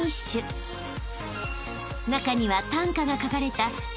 ［中には短歌が書かれた］